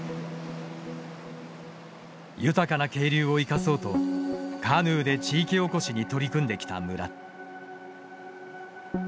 豊かな渓流を生かそうとカヌーで地域おこしに取り組んできた村。